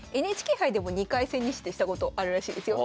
ＮＨＫ杯でも２回千日手したことあるらしいですよ